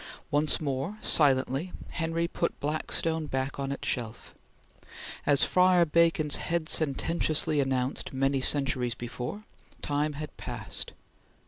Once more, silently, Henry put Blackstone back on its shelf. As Friar Bacon's head sententiously announced many centuries before: Time had passed!